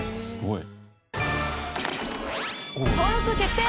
登録決定！